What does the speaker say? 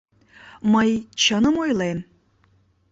— Мый чыным ойлем?